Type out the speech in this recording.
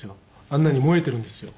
あんなに燃えてるんですよ。